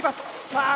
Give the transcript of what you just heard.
さあ